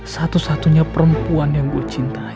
satu satunya perempuan yang gue cintai